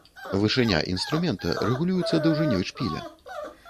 Вышыня інструмента рэгулюецца даўжынёй шпіля.